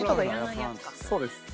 そうです。